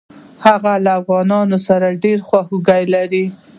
هغه له افغانانو سره ډېره خواخوږي لري.